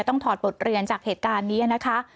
ถอดบทเรียนจากเหตุการณ์นี้นะคะ